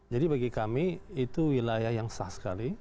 jadi bagi kami itu wilayah yang sah sekali